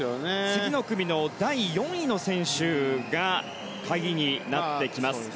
次の組の第４位の選手が鍵になってきます。